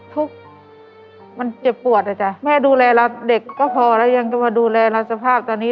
ทุกข์มันเจ็บปวดอ่ะจ้ะแม่ดูแลเราเด็กก็พอแล้วยังจะมาดูแลเราสภาพตอนนี้